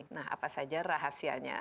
nah apa saja rahasianya